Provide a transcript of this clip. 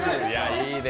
いいね。